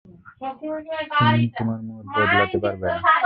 তুমি আমার মত বদলাতে পারবে না।